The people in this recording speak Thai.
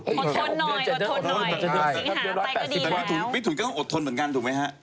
โห่ยมิถุณนี้เล่นเลย